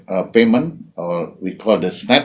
atau kita sebutnya snap